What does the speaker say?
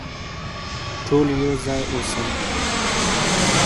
ټول يو ځای اوسئ.